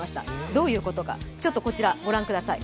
どういうことか、こちらご覧ください。